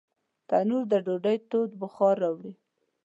تنور د ډوډۍ تود بخار راوړي